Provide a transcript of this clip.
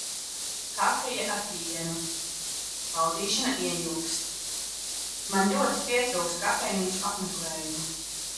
Kafija ar pienu. Baudīšana ieilgst. Man ļoti pietrūkst kafejnīcu apmeklējuma.